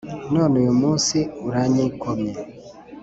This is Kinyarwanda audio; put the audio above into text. None uyu munsi uranyikomye